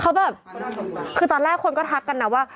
เขาแบบคือตอนแรกคนก็ทักกันนะว่า